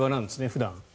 普段。